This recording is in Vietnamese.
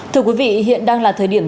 thưa quý vị hiện đang là thời điểm